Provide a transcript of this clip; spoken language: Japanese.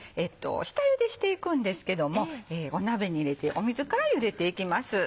下ゆでしていくんですけども鍋に入れて水からゆでていきます。